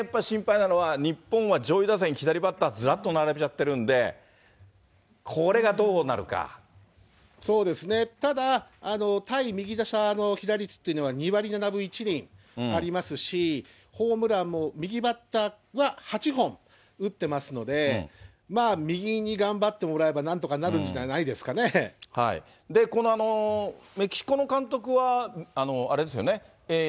左キラーって言われてて、１個だけやっぱり心配なのは、日本は上位打線、下位打線、左バッターずらっと並べちゃってるので、これそうですね、ただ、対右打者の左っていうのは２割７分１厘ありますし、ホームランも、右バッターは８本打ってますので、右に頑張ってもらえばなんこのメキシコの監督はあれですよね。